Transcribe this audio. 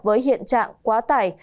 với hiện trạng quá tải